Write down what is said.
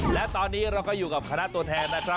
และตอนนี้เราก็อยู่กับคณะตัวแทนนะครับ